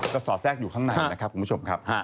ก็สอดแทรกอยู่ข้างในนะครับคุณผู้ชมครับ